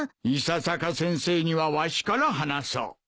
伊佐坂先生にはわしから話そう。